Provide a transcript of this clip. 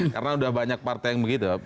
karena sudah banyak partai yang begitu